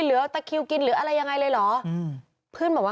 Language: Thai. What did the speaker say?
ตะคิวกินหรืออะไรยังไงเลยเหรออืมเพื่อนบอกว่า